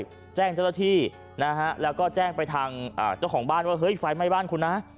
ให้ช่วยแจ้งเจ้าตะที่นะฮะแล้วก็แจ้งไปทางอ่าเจ้าของบ้านว่าเฮ้ยไฟไม่บ้านคุณฮะ